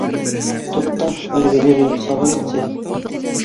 Туҡта, бер генә минут сабыр итсе